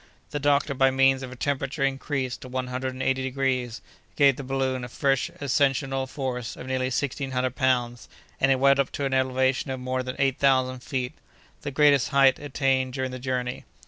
The doctor, by means of a temperature increased to one hundred and eighty degrees, gave the balloon a fresh ascensional force of nearly sixteen hundred pounds, and it went up to an elevation of more than eight thousand feet, the greatest height attained during the journey.